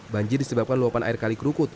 banjir disebabkan luapan air kali kerukut